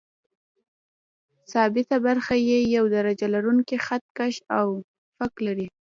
ثابته برخه یې یو درجه لرونکی خط کش او فک لري.